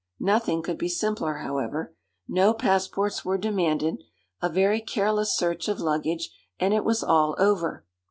Nothing could be simpler, however; no passports were demanded, a very careless search of luggage, and it was all over.